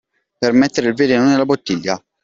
Per mettere il veleno nella bottiglia.